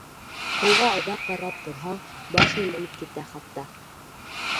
Һыуға оҙаҡ ҡарап торһаң, баш әйләнеп китә хатта.